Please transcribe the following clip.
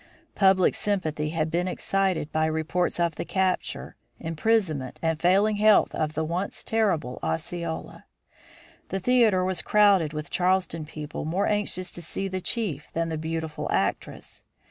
Public sympathy had been excited by reports of the capture, imprisonment, and failing health of the once terrible Osceola. The theater was crowded with Charleston people more anxious to see the chief than the beautiful actress.